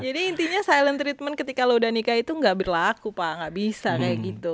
jadi intinya silent treatment ketika lo udah nikah itu gak berlaku pak gak bisa kayak gitu